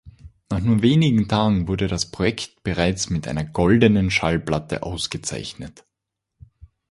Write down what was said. Nach nur wenigen Tagen wurde das Projekt bereits mit einer Goldenen Schallplatte ausgezeichnet.